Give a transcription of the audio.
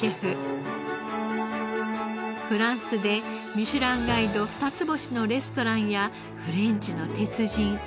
フランスで『ミシュランガイド』２つ星のレストランやフレンチの鉄人